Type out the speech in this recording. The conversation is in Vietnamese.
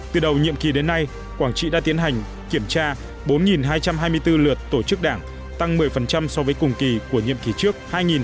từ đầu nhiệm kỳ đến nay quảng trị đã tiến hành kiểm tra bốn hai trăm hai mươi bốn lượt tổ chức đảng tăng một mươi so với cùng kỳ của nhiệm kỳ trước